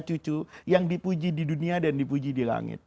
cucu yang dipuji di dunia dan dipuji di langit